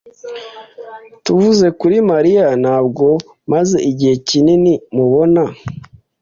Tuvuze kuri Mariya, ntabwo maze igihe kinini mubona.